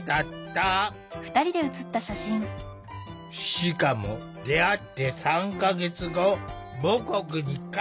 しかも出会って３か月後母国に帰ってしまった。